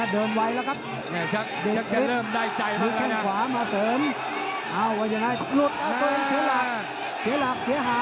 เดินแล้วเดินไว้แล้วครับ